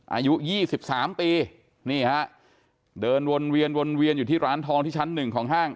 อายุ๒๓ปีนี่ฮะเดินวนเวียนวนเวียนอยู่ที่ร้านทองที่ชั้นหนึ่งของห้าง